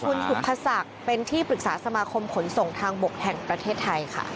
คุณสุภศักดิ์เป็นที่ปรึกษาสมาคมขนส่งทางบกแห่งประเทศไทยค่ะ